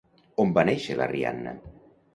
On va néixer la Rihanna?